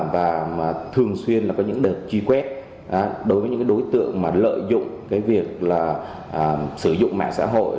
và thường xuyên là có những đợt truy quét đối với những đối tượng mà lợi dụng cái việc là sử dụng mạng xã hội